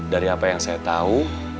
dari apa yang saya tahu